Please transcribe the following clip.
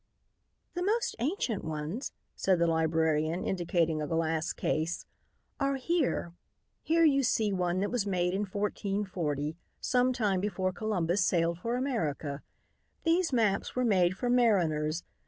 "The most ancient ones," said the librarian, indicating a glass case, "are here. Here you see one that was made in 1440, some time before Columbus sailed for America. These maps were made for mariners.